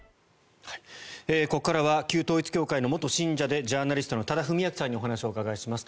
ここからは旧統一教会の元信者でジャーナリストの多田文明さんにお話をお伺いします。